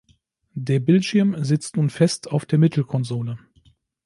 Der Bildschirm sitzt nun fest auf der Mittelkonsole.